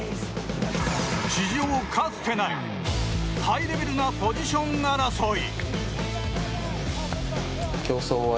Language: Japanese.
史上かつてないハイレベルなポジション争い。